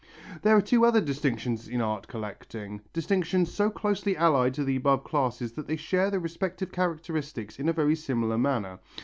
There are two other distinctions in art collecting, distinctions so closely allied to the above classes that they share the respective characteristics in a very similar manner.